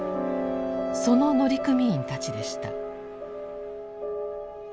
その乗組員たちでした。